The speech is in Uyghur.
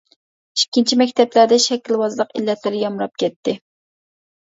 ئىككىنچى، مەكتەپلەردە شەكىلۋازلىق ئىللەتلىرى يامراپ كەتتى.